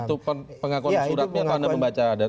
itu pengakuan suratmi atau anda membaca ada itu